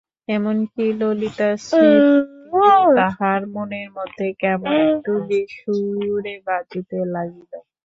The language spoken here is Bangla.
এমন-কি, ললিতার স্মৃতিও তাহার মনের মধ্যে কেমন একটু বেসুরে বাজিতে লাগিল।